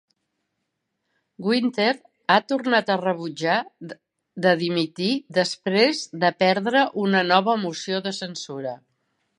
Winter ha tornat a rebutjar de dimitir després de perdre una nova moció de censura.